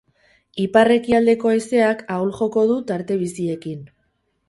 Ipar-ekialdeko haizeak ahul joko du, tarte biziekin.